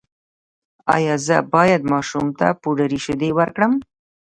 ایا زه باید ماشوم ته پوډري شیدې ورکړم؟